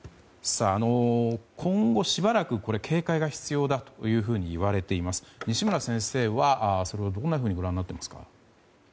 今後しばらく警戒が必要だと言われていますが西村先生は、それをどんなふうにご覧になっていますか？